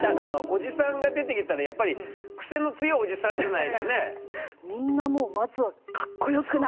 おじさんが出てきたらやっぱりクセの強いおじさんじゃないとね？